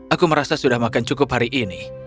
aku merasa sudah makan cukup hari ini